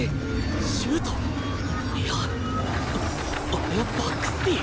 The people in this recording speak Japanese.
あれはバックスピン！